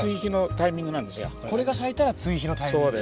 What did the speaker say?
これが咲いたら追肥のタイミング？